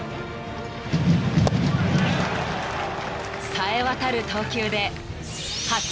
［さえ渡る投球で初勝利］